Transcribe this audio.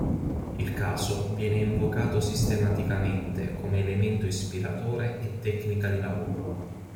Il caso viene invocato sistematicamente come elemento ispiratore e tecnica di lavoro.